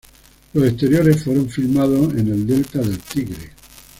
Los exteriores fueron filmados en el Delta del Tigre.